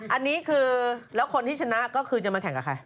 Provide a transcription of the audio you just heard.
อันนี้คือแล้วคนที่ชนะก็คือจะมาแข่งกับใคร